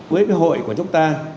quý vị hội của chúng ta